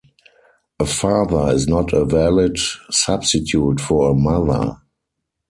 A father is not a valid substitute for a mother.